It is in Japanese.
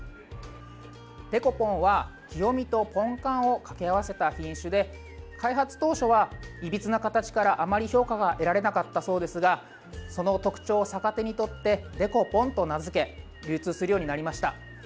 デコポンは清見とポンカンを掛け合わせた品種で開発当初は、いびつな形からあまり評価が得られなかったそうですがその特徴を逆手にとってデコポンと名付け流通するようになりました。